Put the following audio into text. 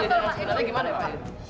sebenarnya gimana pak